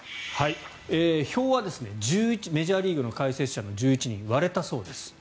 票はメジャーリーグの解説者の１１人割れたそうです。